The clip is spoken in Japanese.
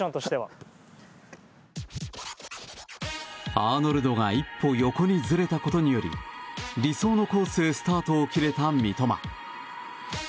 アーノルドが一歩横にずれたことにより理想のコースへスタートを切れた三笘。